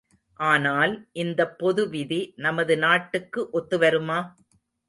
ஆனால், இந்தப் பொதுவிதி நமது நாட்டுக்கு ஒத்து வருமா?